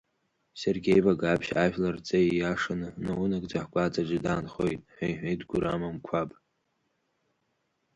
Сергеи Багаԥшь ажәлар рҵеи иашаны, наунагӡа ҳгәаҵаҿы даанхоит, ҳәа иҳәеит Гәырам Амқәаб.